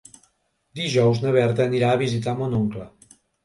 Dijous na Berta anirà a visitar mon oncle.